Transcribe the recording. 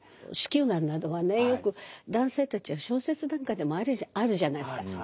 子宮がんなどはねよく男性たちは小説なんかでもあるじゃないですか。